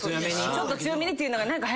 ちょっと強めにというのが。